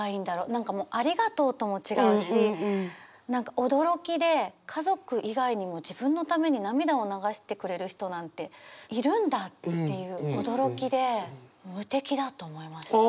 何かもうありがとうとも違うし何か驚きで家族以外にも自分のために涙を流してくれる人なんているんだっていう驚きで無敵だと思いました。